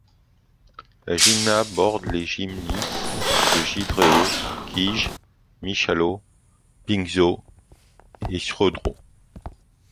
La gmina borde les gminy de Jędrzejów, Kije, Michałów, Pińczów et Sobków.